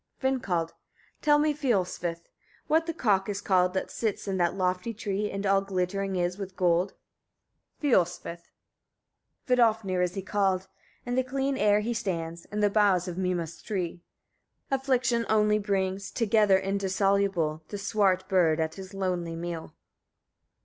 Vindkald. 24. Tell me, Fioisvith! etc., what the cock is called that sits in that lofty tree, and all glittering is with gold? Fiolsvith. 25. Vidofnir he is called; in the clear air he stands, in the boughs of Mima's tree: afflictions only brings, together indissoluble, the swart bird at his lonely meal.